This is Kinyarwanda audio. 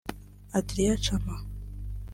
Adrian Chama